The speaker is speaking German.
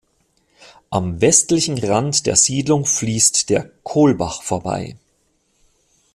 Am westlichen Rand der Siedlung fließt der Kohlbach vorbei.